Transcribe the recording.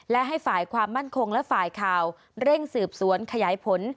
และให้ฝ่ายความมั่นคงและฝ่ายข่าวเร่งสืบสวนขยายผล